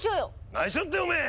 ないしょっておめえ！